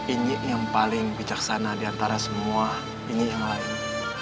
inyik yang paling bijaksana diantara semua inyik lain